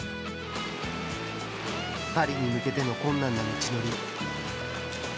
パリに向けての困難な道のり。